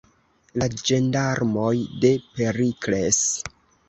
La ĝendarmoj de Perikles!